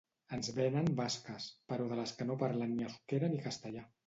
Ens venen basques, però de les que no parlen ni euskera ni castellà.